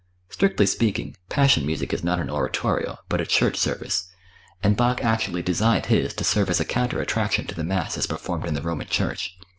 Strictly speaking, Passion Music is not an oratorio, but a church service, and Bach actually designed his to serve as a counter attraction to the Mass as performed in the Roman Church.